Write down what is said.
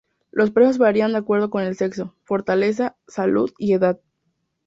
Los precios variaban de acuerdo con el sexo, fortaleza, salud y edad.